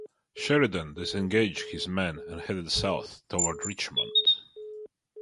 Sheridan disengaged his men and headed south toward Richmond.